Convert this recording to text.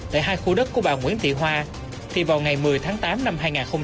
tại hai khu đất của bà nguyễn thị hoa thì vào ngày một mươi tháng tám năm hai nghìn hai mươi ba